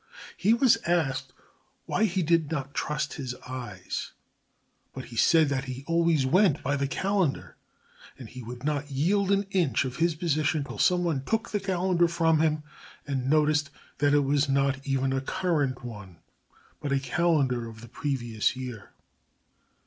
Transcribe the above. He was asked why he did not trust his eyes, but he said that he always went by the calendar, and he would not yield an inch of his position till someone took the calendar from him and noticed that it was not even a current one, but a calendar of the previous year.